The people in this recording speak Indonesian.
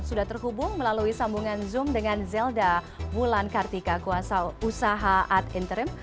sudah terhubung melalui sambungan zoom dengan zelda wulan kartika kuasa usaha ad interim